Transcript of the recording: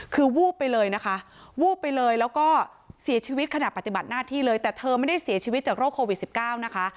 คือวูบไปเลยนะคะวูบไปเลยแล้วก็เสียชีวิตขณะปฏิบัติหน้าที่เลยแต่เธอไม่ได้เสียชีวิตจากโรคโควิด๑๙นะคะ